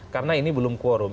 karena ini belum quorum